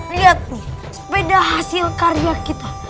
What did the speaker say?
lihat nih sepeda hasil karya kita